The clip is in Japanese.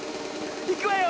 いくわよ！